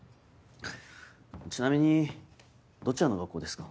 ちなみにどちらの学校ですか？